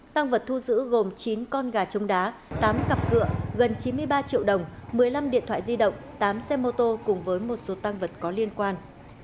tăng vật thu giữ gồm chín con gà trống đá tám cặp cửa gần chín mươi ba triệu đồng một mươi năm điện thoại di động tám xe mô tô cùng với một số tăng vật có liên quan